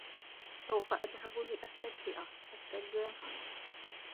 سوف أذهب لأستدفئ. الثلج ينهمر.